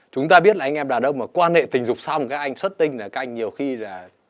chúng ta biết là anh em đàn ông mà quan hệ tình dục xong các anh xuất tinh là các anh nhiều khi là